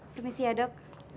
permisi ya dok